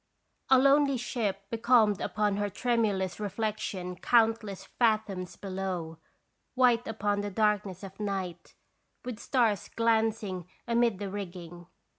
A lonely ship becalmed upon her tremulous reflection countless fathoms below, white upon the dark ness of night, with stars glancing amid the rig ging.